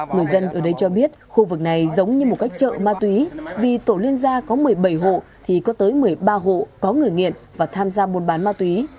người dân ở đây cho biết khu vực này giống như một cách chợ ma túy vì tổ liên gia có một mươi bảy hộ thì có tới một mươi ba hộ có người nghiện và tham gia buôn bán ma túy